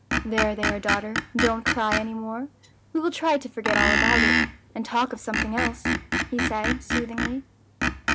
"There, there daughter! don't cry any more; we will try to forget all about it, and talk of something else," he said soothingly.